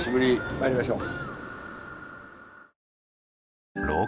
参りましょう。